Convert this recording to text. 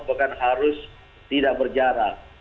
bahkan harus tidak berjarak